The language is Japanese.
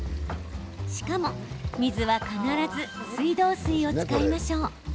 しかも、水は必ず水道水を使いましょう。